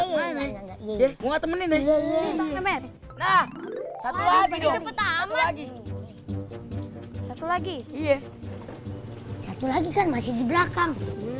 satu lagi kan masih di belakang